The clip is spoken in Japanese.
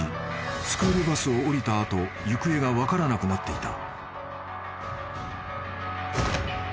スクールバスを降りた後行方が分からなくなっていた］